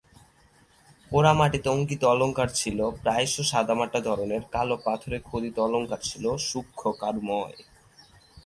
পোড়ামাটিতে অঙ্কিত অলঙ্কার ছিল প্রায়শ সাদামাটা ধরনের, কালো পাথরে খোদিত অলঙ্কার ছিল সূক্ষ্ম কারুময়।